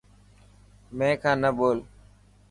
مين کان نه ٻول.